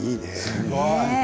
すごい。